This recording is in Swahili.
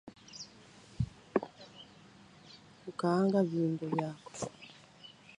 Kukaanga viungo vyako